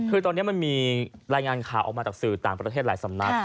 คือตอนนี้มันมีรายงานข่าวออกมาจากสื่อต่างประเทศหลายสำนัก